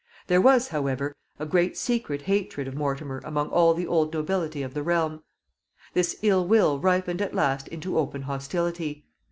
There was, however, a great secret hatred of Mortimer among all the old nobility of the realm. This ill will ripened at last into open hostility.